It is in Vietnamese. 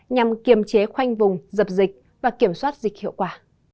nhằm kiềm chế khoanh vùng dập dịch và kiểm soát dịch hiệu quả